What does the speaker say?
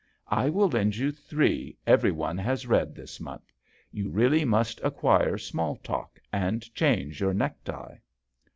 I will lend you three every one has read this month. You really must acquire small talk and change your neck tie."